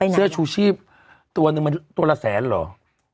เสื้อชูชีพตัวหนึ่งมันตัวละแสนเหรอ